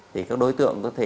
thì các đối tượng có thể